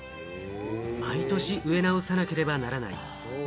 毎年植え直さなければならない。